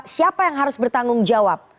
siapa yang harus bertanggung jawab